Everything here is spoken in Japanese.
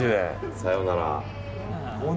さよなら。